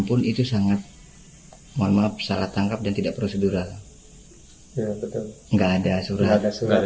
pun itu sangat mohon maaf salah tangkap dan tidak prosedural enggak ada surat surat